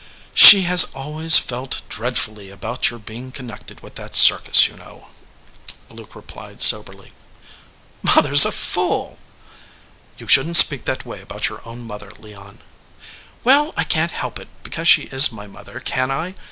"She has always felt dreadfully about your be ing connected with that circus, you know," Luke replied, soberly. "Mother s a fool!" said the boy. "You shouldn t speak that way about your own mother, Leon." "Well, I can t help it because she is my mother, can I?